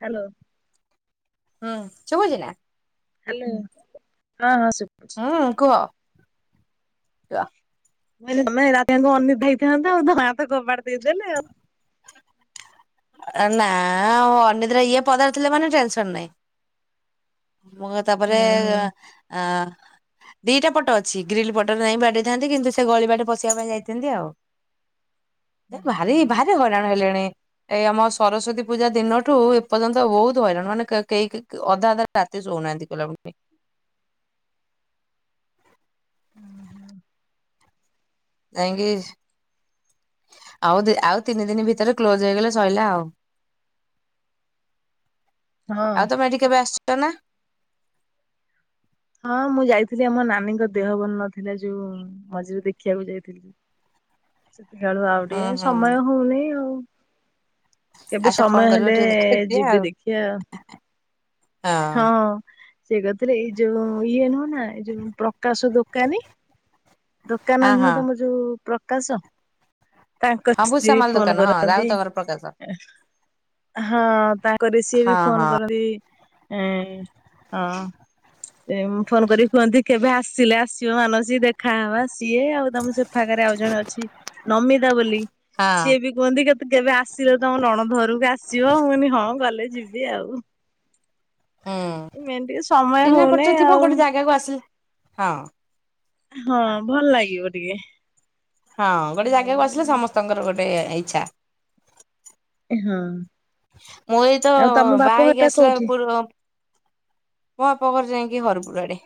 Hello. ହୁଁ ଶୁଭୁଛି ନା? ହ୍ୟାଲ ହଁ ହଁ ସୁ ହଁ କୁହ? କୁହ। ତମେ ରାତିଙ୍କୁ ଅନିଦ୍ରା ହେଇଥାନ୍ତ ତମ ମା ତ କବାଟ ଦେଇଦେଲେ ଆଉ। ନା ଅନିଦ୍ରା ହେଇକି ପଦାରେ ଥିଲେ ମାନେ ଟେନସନ୍ ନାହିଁ। ମୁଁ ତାପରେ ଅ ଦିଟା ପଟ ଅଛି ଗ୍ରୀଲ୍ ପଟରେ ଯାଇକି ବାଡେଇଥାନ୍ତି କିନ୍ତୁ ସେ ଗଳି ବାଟେ ପଶିବା ପାଇଁ ଯାଇଥାନ୍ତି ଆଉ। [inaudible] ଏ ଭାରି ଭାରି ହଇରାଣ ହେଲେଣି। ଏଇ ଆମ ସରସ୍ଵତୀ ପୂଜା ଦିନଠୁ ଏ ପର୍ଯ୍ୟନ୍ତ ବହୁତ ହଇରାଣ ମାନେ କେହି ଅଧା ଅଧା ରାତି ଶୋଉନାହାନ୍ତି କହିଲାବେଲେ। ହୁଁ ହୁଁ। ଯାଇଁ କିି ଆଉ ଦି ଆଉ ତିନି ଦିନି ଭିତରେ କ୍ଲୋଜ ହେଇଗଲେ ଶଇଲା ଆଉ। [inaudible] ହଁ ଆଉ ତମେ ଏଠିକି କେବେ ଆସିଛ ନା? ହଁ, ମୁଁ ଯାଇଥିଲି ଆମ ନାନୀଙ୍କ ଦେହ ଭଲ ନଥିଲା ଯୋଉ ମଝିରେ ଦେଖିବାକୁ ଯାଇଥିଲି। ସେତିକାଳୁ ଆଉ ହୁଁ ଟିକେ ହୁଁ ସମୟ ହଉନି ଆଉ। କେବେ ଆସ ଫୋନ ସମୟ କରିବ ହେଲେ ଟିକେ ଦେଖା ଯିବା ଯିବି ଆଉ ଦେଖିବା। ହଁ। ସେ କରିଥିଲେ ଏଇ ଯୋଉ ଇଏ ନୁହଁ ନା ଏଇ ଯୋଉ ପ୍ରକାଶ ଦୋକାନୀ? ଦୋକାନ ହଁ ହଁ ନୁହଁ ହଁ। ତମର ଯୋଉ ପ୍ରକାଶ? ତାଙ୍କ ହଁ ସ୍ତ୍ରୀ ବି ଭୁଷାମାଲ ଫୋନ ଦୋକାନ ହଁ କରନ୍ତି। ରାଉତଘର ପ୍ରକାଶ ହଁ ତାଙ୍କରେ ସିଏ ହଁ ବି ହଁ ଫୋନ କରନ୍ତି ହଁ। ସେ ଫୋନ କରିକି କୁହନ୍ତି କେବେ ଆସିଲେ ଆସିବ ମାନସି ଦେଖ ଖାଁ ବା ସିଏ ଆଉ ତୋମ ସେ ଫାଖରେ ଆଉ ଜଣେ ଅଛି ନମିତା ବୋଲି ହଁ ସିଏ ବି କୁହନ୍ତି କେତେ କେବେ ଆସିଲେ ତୋମ ନଣନ୍ଦ ଘରକୁ ଆସିବ, ମୁଁ କହିନି ହଁ ଗଲେ ଯି ବି ଆଉ ଏ ମେନ୍ ଟିକେ ସମୟ ହଉନ ସେ ଥିବ ଗୋଟେ ଜାଗାକୁ ଆସିଲେ ହଁ, ହଁ ଭଲ ଲାଗିବ ଟିକେ। ହଁ ଗୋଟେ ଜାଗାକୁ ଏଇଆ ଆସିଲେ ଆଉ। ସମସ୍ତଙ୍କର ଗୋଟେ ଇଚ୍ଛା। ଏ ହଁ। ମୁଁ ଏଇ ତ ଆଉ ତମ ବାପ ବାହା ହେଇକି ଘରଟା ଆସିଲା କୋଉଠି? ପୁରବ ମୋ ବାପ ଘର ଯାଇଁକି ହରପୁଡ ଆଡେ।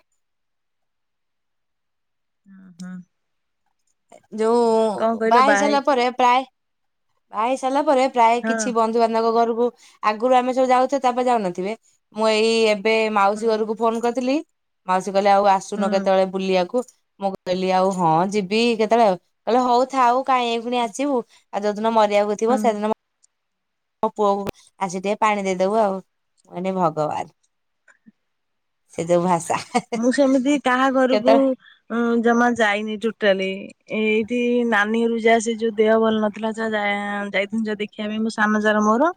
ଅଁ, ହଁ। ଏ ଯୋଉ କଣ କହିଲ ବାହା ହେଇ ସାରିଲା ହେଇକି ପରେ ପ୍ରାୟ ବାହା ହେଇସାରିଲା ପରେ ପ୍ରାୟ ହଁ କିଛି ବନ୍ଧୁବାନ୍ଧବ ଘରକୁ ଆଗରୁ ଆମେ ସବୁ ଯାଉଥିବ ତାପରେ ଯାଉନଥିବେ, ମୁଁ ଏଇ ଏବେ ହଁ ମାଉସୀ ଘରକୁ ଫୋନ୍ କରିଥିଲି ମାଉସୀ କହିଲେ ଆଉ ଆସୁନ ହଁ କେତେବେଳେ ବୁଲିବାକୁ। ମୁଁ କହିଲି ଆଉ ହଁ ଯିବ ବି କେତେବେଳେ, କହିଲେ ହଉ ଥାଉ କାଇଁ ଏଇକ୍ଷଣି ଆସିବୁ। ଆଉ ଯୋଉଦିନ ମରିବାକୁ ହଁ। ଥିବ ସେଦିନ ମୋ ପୁଅକୁ ଆସି ଟିକେ ପାଣି ଦେଇଦବୁ ଆଉ। ମୁଁ କହିନି ଭଗବାନ। ସେ ଯୋଉ ଭାଷା। ମୁଁ ସେମିତି କାହା ଘରକୁ କେତେବେଳେ ଉଁ, ଜମା ଯାଇନି ଟୋଟାଲି। ଏଇଠି ନାନୀ ଘରକୁ ଯା ସେ ଯୋଉ ଦେହ ଭଲ ନଥିଲା ଯା ଯା ଯାଇଥିନ ଯୋଉ ଦେଖିବା ପାଇଁ ମୋ ସାନ ଯାର ମୋର।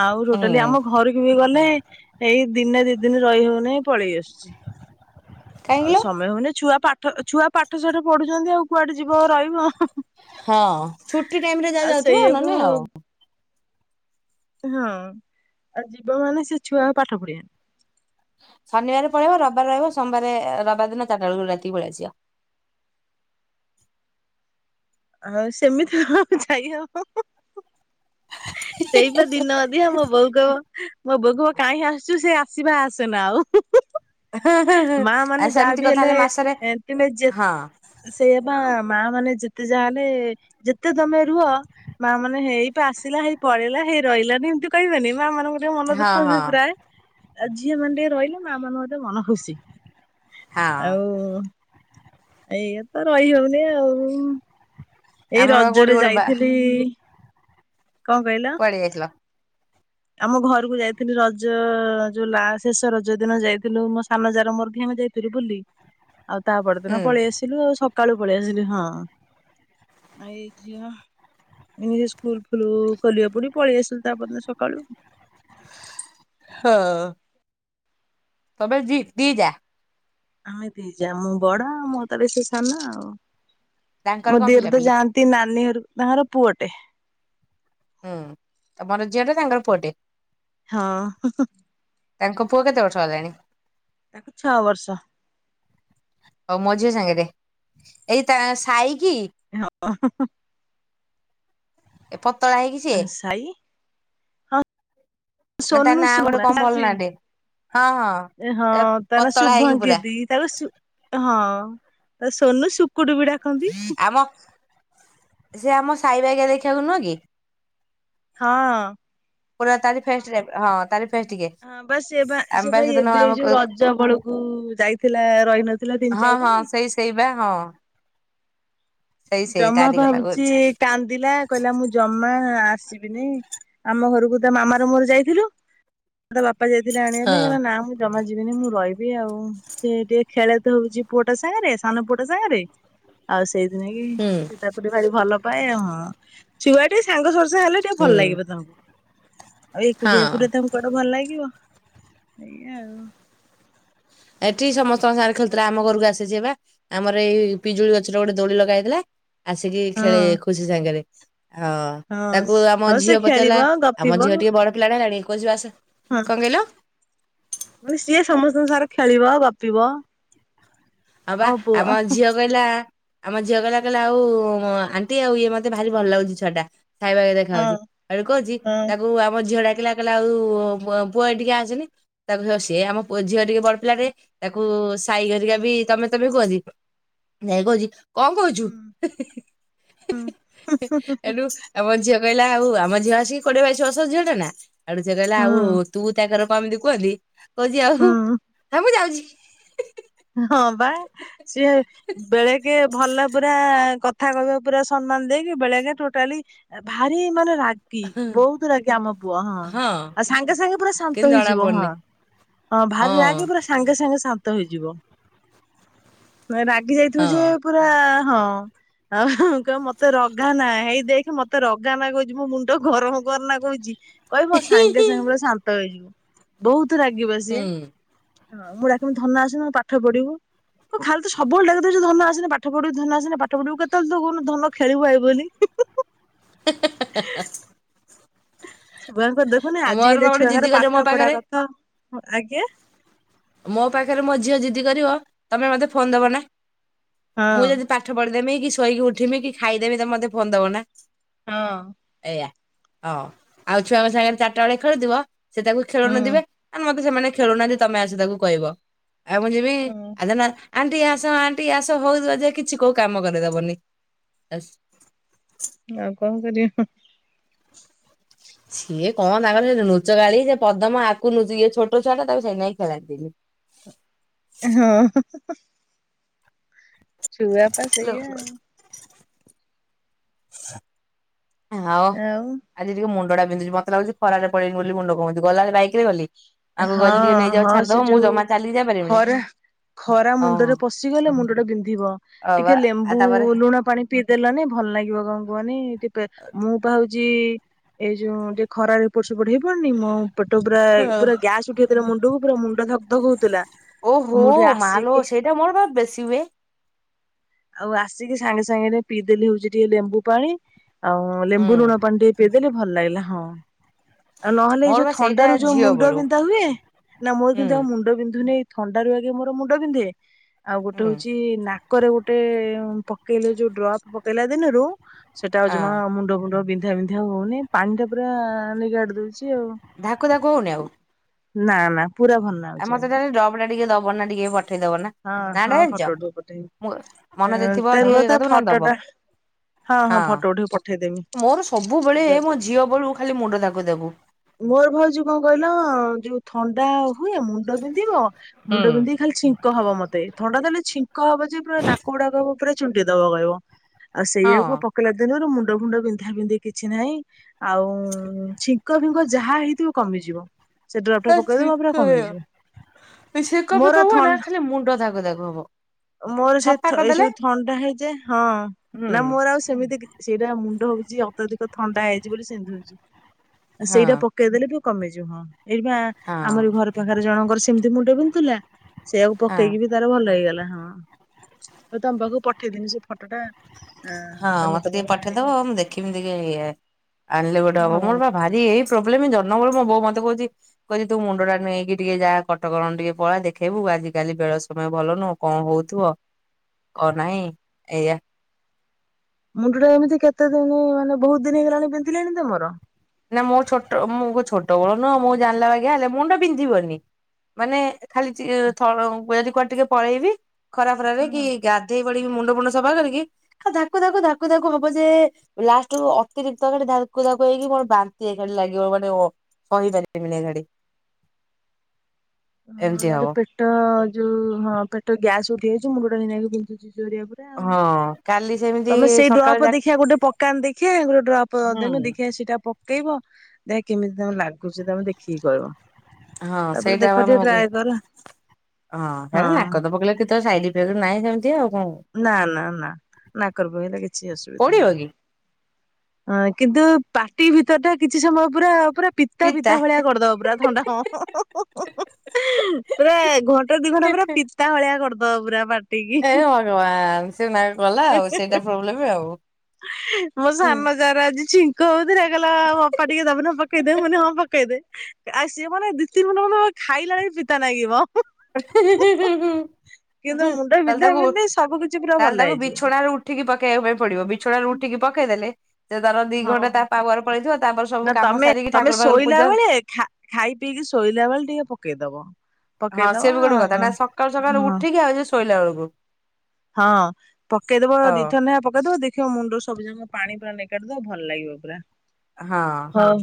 ଆଉ ହୁଁ ଟୋଟାଲି ଆମ ଘରକୁ ବି ଗଲେ ଏଇ ଦିନେ ଦି ଦିନ ରହି ହଉ ନାଇଁ ପଳେଇ ଆସୁଛି। କାହିଁକି ଆଉ କିଲୋ ସମୟ ହଉନି ଛୁଆ ପାଠ, ଛୁଆ ପାଠ ସାଠ ପଢୁଛନ୍ତି ଆଉ କୁଆଡେ ଯିବ ରହିବ। ହଁ ଛୁଟି ଟାଇମ୍ ରେ ଯା ଆଉ ଯାଉଥିବ ସେଇଆକୁ ନନେ ଆଉ। ହଁ ଆ, ଯିବ ମାନେ ସେ ଛୁଆ ପାଠ ପଢ଼ିବେ ଶନିବାରେ ପଳେଇବ ରବାର ରଇବ ସୋମବାରେ ରବାର ଦିନ ଚାଟା ବେଳକୁ ରାତିକି ପଳେଇ ଆସିବ। ହଁ ସେମିତି ହଁ କଣ ଯାଇ ହେବ। ସେଇପା ଆସିବ ଦିନ ଅଧିଆ ମୋ ବୋଉ କଇବ ମୋ ବୋଉ କହିବ କଇଁ ଆସୁଛୁ, ସେ ଆସିବା ଆସନା ଆଉ। ମାଆ ଆ ମାନେ ଯା ସେମିତି ବି କଥା ହେଲେ ମାସରେ ଏଁ ତୁମେ ଯେ ହଁ ସେଇଆ ପା ମା ମାନେ ଯେତେ ଯାହା ଏଲେ ଯେତେ ତୋମେ ରୁଅ ମା ମାନେ ହେଇ ପା ଆସିଲା, ହେଇ ପଳେଇଲା, ହେଇ ରହିଲାନି, ଏମତି କହିବେନି ମା ମାନଙ୍କର ଯୋଉ ମନ ହଁ ଦୁଃଖ ହଁ ହୁଏ ପ୍ରାୟେ, ଏ ଝିଅ ମାନ ଟିକେ ରହିଲେ ମା ମାନଙ୍କ ଟିକେ ମନ ଖୁସି। ହଁ ଆଉ ଏଇଆ ତ ରଇ ହଉନି ଆଉ। ଏଇ ଆମର ବା କୋଉଠି ରଜରେ ଗୋଟେ ବା ଯାଇଥିଲି। କଣ କଇଲ? କୁଆଡେ ଯାଇଥିଲ? ଆମ ଘରକୁ ଯାଇଥିଲି ରଜ ଯୋଉ ଲା-ଶେଷ ରଜ ଦିନ ଯାଇଥିଲୁ ମୋ ସାନ ଯା ର ମୋର ଧିଏଁ ଆମେ ଯାଇଥିଲୁ ବୁଲି। ଆଉ ତା ହୁଁ ପରଦିନ ପଳେଇ ଆସି ଥିଲୁ ଆଉ ସକାଳୁ ପଳେଇ ଆସିଲି ହଁ। ଆ ଏଇ ଝିଅ ଏବେ ସେ ସ୍କୁଲ୍ କ୍ଲୁ ଖୋଲିବ ପୁଣି ପଳେଇ ଆସିଲୁ ତାପରଦିନ ସକାଳୁ। ହଁ। ତୋମେ ଜି- ଦି ଯା? ଆମେ ଦି ଯା ମୁଁ ବଡ଼ ମୋ ତଳେ ସେ ସାନ ଆଉ, ତାଙ୍କର ମୋ କଣ ଦିଅର ତ ପିଲାପିଲି ଯାଆନ୍ ତି ନାନୀ ଘରକୁ, ତାଙ୍କର ପୁଅଟେ। ହୁଁ, ତୋମର ଝିଅ ଟେ, ତାଙ୍କର ପୁଅଟେ। ହଁ। ତାଙ୍କ ପୁଅ କେତେ ବର୍ଷ ହେଲାଣି? ତାକୁ ଛଅ ବର୍ଷ। ହଉ ମୋ ଝିଅ ସାଙ୍ଗରେ। ଏଇ ତା ସାଇ କିି? ହଁ। ଏ ପତଳା ହେଇକି ସିଏ? ଛାଇ। ନା ତା ସୋନୁ ନାଁ ଗୋଟେ କଣ [unintelligible] ଭଲ ନାଁଟେ ହଁ ହଁ। ଏ ହଁ ତା ନାଁ ପତଳା ହେଇକି ପୁରା ଶୁଭଙ୍କିତି। ତାକୁ ସୁ ହଁ ତା ସୋନୁ ଶୁକୁଟୁ ବି ଡା ଆମ ସେ ଆମ ସାଇବାଇଗା ଦେଖିଆକୁ ନୁଅ କି? ହଁ। ପୁରା ତାରି ଫେଷ ଟାଇପ ର ହଁ ତାରି ଫେସ୍ ଟିକେ ହଁ ବା ସେବା ଆମେ ପା ସେବା ସେଦିନ ଏବେ ଏ ଯୋଉ ଆମ ରଜ ବେଳକୁ ଯାଇଥିଲା ରଇନ ହଁ ହଁ ସେଇ ସେଇ ବା ହଁ। ସେଇ ସେଇ ଜମା ତାରି କଥା ଭାବୁଚି କହୁଛି। କାନ୍ଦିଲା। କହିଲା ମୁଁ ଜମା ଆସିବିନି ଆମ ଘରକୁ ତା ମାମା ର ମୋରେ ଯାଇଥିଲୁ। ତା ବାପା ଯାଇଥିଲେ ଆଣିବା ପାଇଁ ହଁ କଇଲା ନାଁ ମୁଁ ଜମା ଯିବିନି ମୁଁ ରଇବି ଆଉ ସେ ଟିଏ ଖେଳେ ତ ହେଉଚି ପୁଅଟା ସାଙ୍ଗରେ ସାନ ପୁଅଟା ସାଙ୍ଗରେ। ଆଉ ସେଇଥିନାଗି ହୁଁ ସେ ତାକୁ ଟିକେ ଭାରି ଭଲ ପାଏ ହଁ ଆଉ ଛୁଆଟି ସାଙ୍ଗ ସୋର୍ସା ହେଲେ ଟିକେ ହୁଁ ଭଲ ଲାଗିବ ତାଙ୍କୁ। ଆଉ ଏକୁଟିଆ ହଁ ଏକୁଟିଆ ତାଙ୍କୁ କୁଆଡ଼େ ଭଲ୍ ଲାଗିବ ଏଇଆ ଆଉ। ଏଠି ସମସ୍ତଙ୍କ ସାଙ୍ଗରେ ଖେଳୁଥିଲା ଆମ ଘରକୁ ଆସିଚି ଏବେ। ଆମର ଏଇ ପିଜୁଳି ଗଛରେ ଗୋଟେ ଦୋଳି ଲଗା ହେଇଥିଲା ଆସିକି ଆଉ ଖେଳେ ଖୁସି ସାଙ୍ଗରେ। ହ ହଁ ହଁ। ତାକୁ ଆମ ହଉ ସେ ଝିଅ ଖେଳିବ ପଚାରିଲା ଆମ ଗପିବ ଝିଅ ଟିକେ ବଡ଼ ପିଲାଟା ହେଲାଣି କଉଚି ଆସ ହଁ କଣ କହିଲ? ସିଏ ସମସ୍ତଙ୍କ ସାଙ୍ଗ ରେ ଖେଳିବ ଗପିବ। ହଁ ବା ଆମ ପୁଅ ଆମର ହଁ ଝିଅ କହିଲା ଆମ ଝିଅ କହିଲା କହିଲା ଆଉ ଆଣ୍ଟି ଆଉ ଇଏ ମତେ ଭାରି ଭଲ ଲାଗୁଛି ଛୁଆଟା। ସାଇ [unintelligible] ଦେଖା ହଉଛି ହେଟୁ କହୁଛି ହଁ। ତାକୁ ଆମ ଝିଅ ଡାକିଲା କହିଲା ଆଉ ପୁଅ ପୁଅ ଏଠିକି ଆସେନି ତାକୁ ସିଏ ଆମ ପୁଅ ଝିଅ ଟିକେ ବଡ ପିଲାଟେ ହେ ତାକୁ ସାଇ ହୁଁ। ହାରିକା ବି ତମେ ତମେ କୁହନ୍ତି ଯାଇକି କହୁଛି କଣ କହୁଛୁ ହୁଁ ହେ ହେ ହେ ହେଟୁ ଆମ ଝିଅ କହିଲା ଆଉ ଆମ ଝିଅ ଆସିକି କୋଡିଏ ବାଇଶି ବର୍ଷ ର ଝିଅ ଟେ ନା। ହେଟୁ ସେ କଇଲା ଆଉ ହୁଁ ତୁ ତାକର କ ଏମିତି କୁହନ୍ତି କହୁଛି ଆଉ ହୁଁ ହେ ମୁଁ ଯାଉଛି। ହଁ ବା ସିଏ ବେଳେକେ ଭଲ ପୁରା କ କଥା କହିବ ପୁରା ସମ୍ମାନ ଦେଇକି, ବେଳେକେ ଟୋଟାଲି ଭାରି ମାନେ ରା ଗି ବହୁତ ରାଗି ଆମ ପୁଅ ହଁ, ଆଉ ସାଙ୍ଗେ ସାଙ୍ଗେ ପୁରା ଶାନ୍ତ କିନ୍ତୁ ଜଣା ହେଇଯିବ ହଁ। ପଡୁନି ହଁ ଭାରି ରାଗି ପୁରା ସାଙ୍ଗେ ସାଙ୍ଗେ ଶାନ୍ତ ହେଇଯିବ। ରାଗି ଯାଇଥିବ ହଁ ଯେ ପୁରା ହଁ। ଆ ହାଁ କ ମତେ ରଗାନା ହେଇ ଦେଖ୍ ମତେ ରଗାନା କଉଚି ମୋ ମୁଣ୍ଡ ଗରମ୍ କରନା କହୁଚି। କଇବ ସାଙ୍ଗେ ସାଙ୍ଗେ ହୁଁ ପୁରା ଶାନ୍ତ ହେଇଯିବ ବହୁତୁ ରାଗି ବା ସିଏ। ଆଉ ମୁଁ ଡାକିମି ଧନ ଆସୁନୁ ପାଠ ପଢ଼ିବୁ। କଁ ଖାଲି ତ ସବୁବେଳେ ଡାକି ଦୋଉଚୁ ଧନ ଆସେନି ପାଠ ପଢିବୁ, ଧନ ଆସେନି ପାଠ ପଢିବୁ କେତେବେଳେ ତ କହୁନୁ ଧନ ଖେଳିବୁ ଆଇ ବୋଲି। [inaudible] ହେଁ ହେଁ ହେଁ ହେଁ ଛୁଆଙ୍କର ଦେଖୁନ ଏଇ ମୋର ବା ଆଜିକାଲିଆ ଗୋଟେ ଜିଦି ଛୁଆଙ୍କର କରିବ ମୋ ପାଠ ପଢା ପାଖରେ କଥା ଆଜ୍ଞା ମୋ ପାଖରେ ମୋ ଝିଅ ଜିଦି କରିବ ତମେ ମତେ ଫୋନ ଦବ ନା ହଁ ମୁଁ ଯଦି ପାଠ ପଢିଦେମି କି ଶୋଇକି ଉଠିମି କି ଖାଇଦେମି ତ ମତେ ଫୋନ ଦବ ନା। ହଁ। ଏଇଆ ହଁ, ଆଉ ଛୁଆଙ୍କ ସାଙ୍ଗରେ ଚାରିଟା ବେଳେ ଖେଳୁଥିବ ସେ ତାକୁ ଖେଳଉନଥିବେ ମତେ ସେମାନେ ଖେଳଉନାହାନ୍ତି ତମେ ଆସି ତାକୁ କହିବ। ଆଉ ମୁଁ ଯିବି ହଁ ଆ ଧନ ଆଣ୍ଟି ଆସ ଆଣ୍ଟି ଆସ ହୋଉଥିବ ଯେ କିଛି କୋଉ କାମ କରେଇଦବନି। ଆଉ କଣ କରିବ ହଁ ସିଏ କଣ ତାଙ୍କରେ ନୁଚ ଗାଳି ଯେ ପଦମ ଆକୁ ନୁଚ ଇଏ ଛୋଟ ଛୁଆଟା ତାକୁ ସେଇନାଗି ଖେଳାନ୍ତିନି। ଏ ହଁ। ଛୁଆପା ସେଇଆ ଆଉ। ହଉ ଆଉ ଆଜି ଟିକେ ମୁଣ୍ଡ ଟା ବିନ୍ଧୁଛି, ମତେ ଲାଗୁଛି ଖରାରେ ପଳେଇନି ବୋଲି ମୁଣ୍ଡ କ ହୋଉଚି, ଗଲାବେଳେ ବାଇକରେ ଗଲି। ଆଙ୍କୁ କହିଲି ଟିକେ ହଁ ନେଇଯାଅ ହଁ ସେ ଛାଡିଦବ ମୁଁ ଯୋଉ ଜମା ଚାଲିକି ଯାଇପାରିବିନି ଖରା। ଖରା ହଁ ମୁଣ୍ଡରେ ପଶିଗଲେ ମୁଣ୍ଡ ଟା ବିନ୍ଧିବ ହଉ ଟିକେ ବା ଆଉ ଲେମ୍ବୁ ତାପରେ ଲୁଣ ପାଣି ପିଇ ଦେଲନି ଭଲ ଲାଗିବ କଣ କୁହନି ଟି ପେ ମୁଁ ପା ହଉ ଯି ଏଇ ଯୋଉ ଟିକେ ଖରା ଏପଟ ସେପଟ ହେଇ ପାରୁନି ମୋ ପେଟ ପୁରା ହଁ। ଗ୍ୟାସ ଉଠିଜାଇଥିଲା ମୁଣ୍ଡକୁ ପୁରା ମୁଣ୍ଡ ଧଗଧକ ହଉଥିଲା। ଓ ହୋ ମୁଁ ଟିକେ ମାଲୋ ଆସିକି ସେଇଟା ମୋର ବା ବେଶୀ ହୁଏ। ଆଉ ଆସିକି ସାଙ୍ଗେ ସାଙ୍ଗେରେ ପିଇଦେଲି ହଉଛି ଟିକେ ଲେମ୍ବୁ ପାଣି, ଆଉ ହୁଁ ଲେମ୍ବୁ ଲୁଣ ପାଣି ଟିକେ ପି ଦେଲି ଭଲ ଲାଗିଲା ହଁ। ଆଉ ନହେଲେ ଏଇ ମୋର ଯୋଉ ବା ଥଣ୍ଡା ସେଇଟା ରୁ ଯୋଉ ଝିଅ ମୁଣ୍ଡ ବେଳୁ। ବିନ୍ଧା ହୁଏ ନା ମୋର ହୁଁ କିନ୍ତୁ ଆଉ ମୁଣ୍ଡ ବିନ୍ଧୁନି ଥଣ୍ଡା ରୁ ଆଗେ ମୋର ମୁଣ୍ଡ ବିନ୍ଧେ ଆଉ ଗୋଟେ ହୁଁ ହଉଛି ନାକରେ ଗୋ ଟେ ପକେଇଲେ ଯୋଉ ଡ୍ରପ ପକେଇଲା ଦିନରୁ ସେଇଟା ଆଉ ହଁ ଜମା ମୁଣ୍ଡ ଫୁଣ୍ଡ ବିନ୍ଧା ବିନ୍ଧ୍ ଆଉ ହଉନି ପାଣି ଟା ପୁରା ନିଗାଡି ଦଉଛି ଆଉ। ଧାକ ଧାକୁ ହେଉନି ଆଉ। ନା ନା ପୁରା ଭରନା। ଆମ ମତେ ଖାଲି ଡ୍ରପ ଟା ଟିକେ ଦବନ ନା ଟିକେ ପଠେଇ ଦବ ନା। ହଁ ନା ଟା ହଁ ଜାଣିଛ ଫଟୋ ଉଠେଇ ପଠେଇବି। ମୋ ମନ ଯ ଥିବ ତା ରୁହ ଟିକେଇ ତା କଇଦବ ନନେ ଫଟୋ ଦବ। ଟା ହଁ ଫଟୋ ଉଠେଇକି ପଠେଇଦେମି। ମୋର ସବୁବେଳେ ମୋ ଝିଅ ବେଳୁ ଖାଲି ମୁଣ୍ଡ ଧାକୁ ଧାକୁ। ମୋର ଭାଉଜ କଣ କହିଲ ଯୋଉ ଥଣ୍ଡା ହୁଏ ମୁ ମୁଣ୍ଡ ବିନ୍ଧିବ ମୁଣ୍ଡ ହୁଁ। ବିନ୍ଧିକି ଖାଲି ଛିଙ୍କ ହବ ମତେ ଥଣ୍ଡା ଦେଲେ ଛି କ ହବ ଯେ ପୁରା ନାକ ଗୁଡାକ ପୁରା ଛୁଣ୍ଟି ଦବା କହିବ, ଆଉ ସେଇଆକୁ ହଁ ପ ପିଲା ଦିନୁରୁ ମୁଣ୍ଡ ଫୁଣ୍ଡ ବିନ୍ଧା ବିନ୍ଧି କିଛି ନାଇଁ ଆଉ ଛି ଙ୍କ ଫୁଙ୍କ ଯାହା ହେଇଥିବ କମିଯିବ ସେ ଡ୍ରପ ଟା ପକେଇଦେବ ପରେ କମେଇଯିବ। ହେ ଛେକ ଫେକ ହୁଏନା ଖାଲି ମୁଣ୍ଡ ଧାଗ ଦାଗ ହବ ମୋର ସେ ଛଫା ଏଇ କରିଦେଲେ ସବୁ ଥଣ୍ଡା ହେଇଯାଏ ହଁ ହୁଁ। ନା ମୋର ଆଉ ସେମିତି କି ସେଇଟା ମୁଣ୍ଡ ହଉଚି ଅତ୍ୟଧିକ ଥଣ୍ଡା ହେଇଚି ବୋଲି ସେମତି ହଉଚି। ହଁ ସେଇଟା ପକେଇଦେଲେ ଟିକେ କମିଯିବ ହଁ ଏଇଟି ପା ହଁ ଆମରି ଘର ପାଖରେ ଜଣଙ୍କର ସେମିତି ମୁଣ୍ଡ ବିନ୍ଧୁଥିଲା ସେଇଆକୁ ହଁ ପକେଇକି ତାର ଭଲ ହେଇଗଲା ହଁ ମୁଁ ତମ ପାଖୁ ପଠେଇଦେନି ସେ ଫଟ ଟା ହଁ ଆଁ ତମେ ମତେ ଟିକେ ତମର ଆଣିବ ପଠେଇଦବ ମୁଁ ଦେଖିବି ଟିକେ ଇଏ ଆଣିଲେ ଗୋଟେ ହବ ହଁ। ମୋର ବା ଭାରି ଇ ଏଇ ପ୍ରୋବ୍ଲେମ ଜନ୍ମବେଳୁ ମୋ ବୋଉ ମତେ କହୁଚି କହିଲି ତୁ ମୁଣ୍ଡ ଟା ନେଇକି ଟିକେ ଯାହା କଟକଣ ଟିକେ ପଳା ଦେଖେଇବୁ ଆଜିିକାଲି ବେଳ ସମୟ ଭଲ ନୁହୁଁ। କଣ ହଉଥିବ କଣ ନାହିଁ ଏଇଆ। ମୁଣ୍ଡଟା ଏମିତି କେତେ ଦିନି ମାନେ ବହୁତ ଦିନି ହେଇଗଲାଣି ବିନ୍ଧିଲାଣି ତମର। ନାଁ ମୋ ଛୋଟ ମୁଁ ଛୋଟ ବଳ ନୁହଁ ମୁଁ ଜାଣିଲା ଆଜ୍ଞା ହେଲେ ମୁଣ୍ଡ ବିନ୍ଧିବନି। ମାନେ ଖାଲିଚି ଥ ଯଦି କୁଆଡେ ଟିକେ ପଳେଇବି ଖରା ଫରାରେ କି ହଁ। ଗାଧେଇ ପଡିବି ମୁଣ୍ଡ ଫୁଣ୍ଡ ସଫା କରିକି ଆ ଧାକୁ ଧାକୁ ଧାକୁ ଧାକୁ ହବ ଯେ ଲାଷ୍ଟ ବେଳକୁ ଅତିରିକ୍ତ ଧାକୁ ଧାକୁ ହେଇକି ବ ବାନ୍ତି ଏକାଡି ଲାଗିବ ମାନେ ସହିପାରିବେ ଏଗାଡି। ହଁ ଏମିତି ଇଆଡେ ହବ ପେଟ ଯୋଉ ହଁ ପେଟ ଗ୍ୟାସ ଉଠି ଯାଇଛି ମୁଣ୍ଡ ଟା ନେଇକି ପନ୍ଧୁଛି ଚୋରିଆ ଟା ଆଉ। ହଁ କାଲି ସେମିତି ତମେ ସେଇ ସକାଳେ ଡ୍ରପ ଯା ଦେଖିଆ ଗୋଟେ ପକାନ୍ତୁ ଦେଖିଆ ଗୋଟେ ଡ୍ରପ୍ ଦେମି ଦେଖିଆ ସେଇଟା ପ କେଇବ ଦେଖିଆ କେମିତି ତମକୁ ଲାଗୁଚି ତମେ ଦେଖିକି କହିବ। ହଁ ତାପରେ ସେଇଟା ଦେଖ ପା ଟିକେ ମୁଁ କ ଟ୍ରାଏ କର। ହଁ ହେରା ହଁ ନାକତ ପକେଇଲେ କେତେବେଳେ ସାଇଜ ନାହିଁ ସେମିତି ଆଉ କଣ? ନା ନା ନା ନାକରେ ପକେଇଲେ କିଛି ଅସୁବିଧା ପୋଡିବ ନାହିଁ। କି ହଁ କିନ୍ତୁ ପାଟି ଭିତର ଟା କିଛି ସମୟ ପୁରା ପୁରା ପିତା ପିତା ଭଳିଆ କରିଦବ ପୁରା ଥଣ୍ଡା ହଁ ପୁରା ଘଣ୍ଟା ଦି ଘଣ୍ଟା ପୁରା ପିତା ଭଳିଆ କରିଦବ ପୁରା ପାଟିକି। ସେନା ଗଲା ଆଉ ସେଇଟା ପ୍ରୋବ୍ଲେମ୍ ଆଉ। ତାର ଆଜି ଛିଙ୍କ ହଉଥିଲା କହିଲା ଅପା ଟିକେ ଦବୁ ନା ପକେଇଦେ ମୁଁ କହିଲି ହଁ ପକେଇଦେ ଆଉ ସିଏ ମାନେ ଦି ତିନି ଘଣ୍ଟା ଖଣ୍ଡେ ଖାଇଲାଳା ବି ପିତା ଲାଗିବ କିନ୍ତୁ ତାହେଲେ ମୁଣ୍ଡ ବିନ୍ଧା ତାକୁ ବିନ୍ଧି ସବୁ କିଛି ପୁରା ଭଲ ତାହେଲେ ତାକୁ ହେଇଯିବ ବିଛଣା ତା ହେଲେ ଉଠିକି ପକେଇବା ପାଇଁ ପଡିବ ବିଛଣାରୁ ର ଉଠିକି ପକେଇଦେଲେ ସେ ତାର ଦି ହଁ। ଘଣ୍ଟା ତା ପାୱାର ପଳେଇ ଥିବ ତାପରେ ନା ସବୁ କାମ ତମେ ସାରିକି ତମେ ଠାକୁର ଫାକୁର ଶୋଇଲା ପୂଜା ବେଳେ ଖା ଖାଇ ପିଇକି ଶୋଇଲା ବେଳେ ଟିକେ ପକେଇଦବ। ହଁ ପକେଇଦବ ସେ ବି ଗୋଟେ କଥା ନା ସକାଳୁ ସକାଳୁ ହଁ ଉଠିକି ଆଉ ଯୁ ଶୋଇଲା ବେଳକୁ। ହଁ ପକେଇଦବ ହଁ ଦିଥର ନାଖେ ପକେଇଦବ ଦି ଖିବ ମୁଣ୍ଡ ସବୁଜାକ ପାଣି ପୁରା ନିଗାଡି ଦବ ଭଲ ଲାଗିବ ପୁରା ହଁ। ହଉ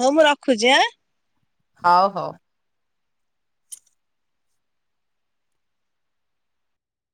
ହଉ ମୁଁ ରଖୁଚି ଆଁ ହଉ ହଉ।